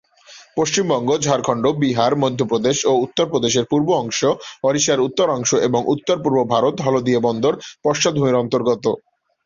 পশ্চিমবঙ্গ, ঝাড়খন্ড, বিহার, মধ্যপ্রদেশ ও উত্তরপ্রদেশের পূর্ব অংশ, ওড়িশার উত্তর অংশ এবং উত্তর-পূর্ব ভারত হলদিয়া বন্দর পশ্চাৎ ভূমির অন্তর্গত।